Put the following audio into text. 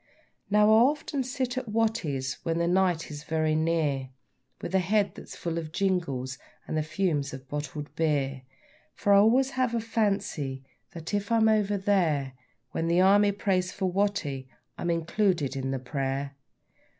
Now, I often sit at Watty's when the night is very near, With a head that's full of jingles and the fumes of bottled beer, For I always have a fancy that, if I am over there When the Army prays for Watty, I'm included in the prayer.